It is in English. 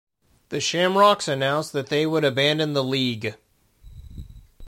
The Shamrocks announced that they would abandon the league.